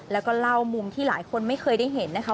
แล้วก็เล่ามุมที่หลายคนไม่เคยได้เห็นนะคะ